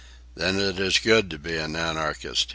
"Then it is good to be an anarchist!"